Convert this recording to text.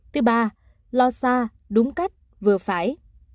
thứ ba lo xa đúng cách vừa phải